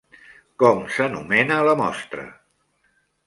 Com s'anomena la mostra?